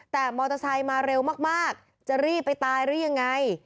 แต่มอเตอร์ไซค์มาเร็วมากจะรีบไปตายหรือยังไง